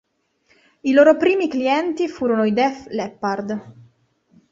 I Loro primi clienti furono i Def Leppard.